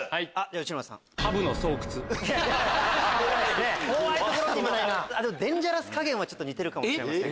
でもデンジャラス加減は似てるかもしれません。